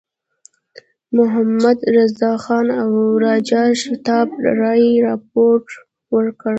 محمدرضاخان او راجا شیتاب رای رپوټ ورکړ.